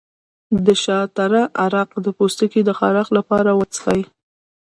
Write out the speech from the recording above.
د شاه تره عرق د پوستکي د خارښ لپاره وڅښئ